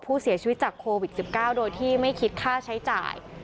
ผู้เสียชีวิตจากโควิด๑๙โดยที่ไม่คิดค่าใช้จ่าย